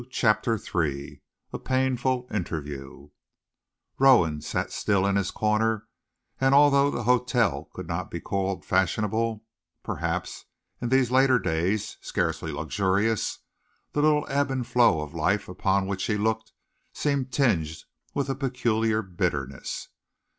CHAPTER III A PAINFUL INTERVIEW Rowan sat still in his corner, and although the hotel could not be called fashionable perhaps, in these later days, scarcely luxurious the little ebb and flow of life upon which he looked seemed tinged with a peculiar bitterness.